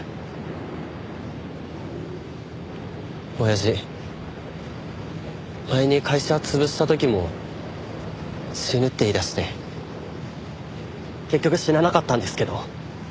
親父前に会社潰した時も死ぬって言い出して結局死ななかったんですけど。